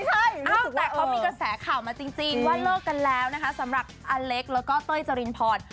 ใช่แต่เขามีกระแสข่าวมาจริงว่าเลิกกันแล้วนะคะสำหรับอเล็กแล้วก็เต้ยจรินพร